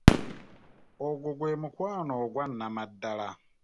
Ogwo gwe mukwano ogwa Nnamaddala!